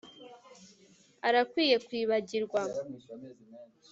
Arakwiye kwibagirwa